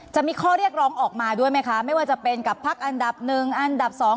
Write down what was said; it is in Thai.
จะมีข้อเรียกร้องออกมาด้วยไหมคะไม่ว่าจะเป็นกับพักอันดับหนึ่งอันดับสอง